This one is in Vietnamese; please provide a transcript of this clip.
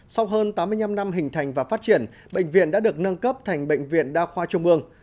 sau hơn tám mươi năm năm hình thành và phát triển bệnh viện đã được nâng cấp thành bệnh viện đa khoa trung ương